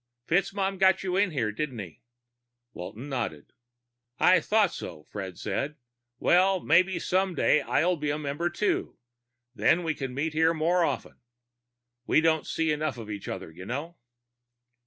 "FitzMaugham got you in here, didn't he?" Walton nodded. "I thought so," Fred said. "Well, maybe someday soon I'll be a member too. Then we can meet here more often. We don't see enough of each other, you know."